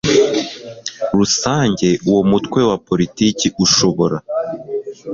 rusange uwo mutwe wa politiki ushobora